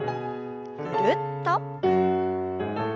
ぐるっと。